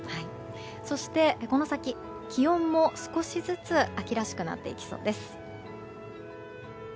そして、この先、気温も少しずつ秋らしくなっていきそうです。